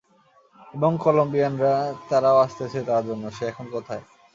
এবং কলম্বিয়ানরা, তারাও আসতেছে তার জন্য, সে এখন কোথায়?